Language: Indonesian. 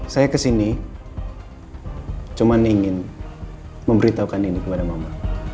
saya kesini cuma ingin memberitahukan ini kepada mama